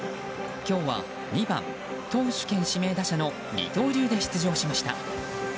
今日は２番投手兼指名打者の二刀流で出場しました。